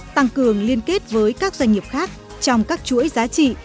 tăng cường liên kết với các doanh nghiệp khác trong các chuỗi giá trị